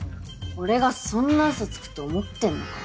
俺がそんな嘘つくと思ってんのか？